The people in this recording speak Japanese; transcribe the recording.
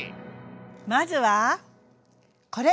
まずはこれ！